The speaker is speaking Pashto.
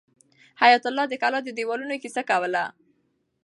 حیات الله د کلا د دیوالونو کیسه کوله.